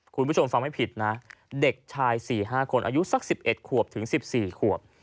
คุณผู้ชมฟังไม่ผิดนะเด็กชาย๔๕คนอายุสัก๑๑ขวบถึง๑๔ขวบ